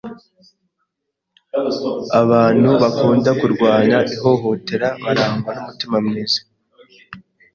Abantu bakunda kurwanya ihohotera barangwa n’umutima mwiza